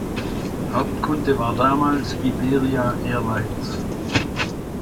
Hauptkunde war damals Iberia Airlines.